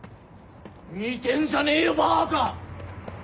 見てんじゃねえよバカ！